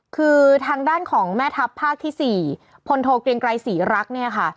คือทางด้านของแม่ทัพภาคที่๔พลโทเกรียงไกรศรีรักษ์เนี่ยค่ะ